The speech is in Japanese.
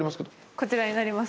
こちらになります。